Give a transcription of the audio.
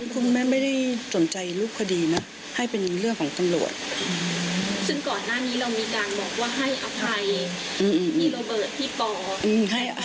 คุณแม่จำหนูแล้วให้อภัยในความรู้สึกของคุณแม่